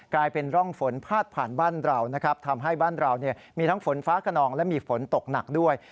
กลายเป็นร่องฝนพาดผ่านบ้านเรานะครับทำให้บ้านเรามีทั้งฝนฟ้าขนองและมีฝนตกหนักด้วย